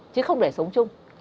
chứ không để sống chung